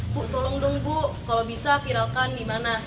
bu tolong dong bu kalau bisa viralkan di mana